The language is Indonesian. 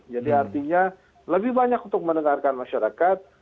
jadi artinya lebih banyak untuk mendengarkan masyarakat